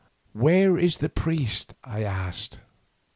"Where is the priest?" I asked.